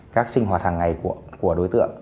các sinh hoạt hàng ngày của đối tượng